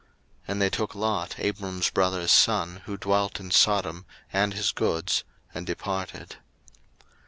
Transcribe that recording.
01:014:012 And they took Lot, Abram's brother's son, who dwelt in Sodom, and his goods, and departed.